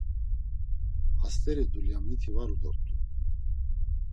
Hast̆eri dulyak miti var u dort̆u.